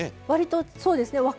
割とそうですね。